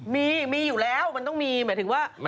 มีมีอยู่แล้วมันต้องมีหมายถึงว่า